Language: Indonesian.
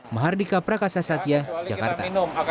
mahardika prakasa satya jakarta